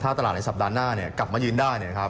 ถ้าตลาดในสัปดาห์หน้ากลับมายืนได้